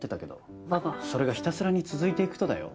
それがひたすらに続いていくとだよ